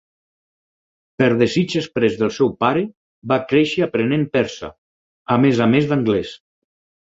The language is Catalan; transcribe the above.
Per desig exprés del seu pare, va créixer aprenent persa, a més a més d'anglès.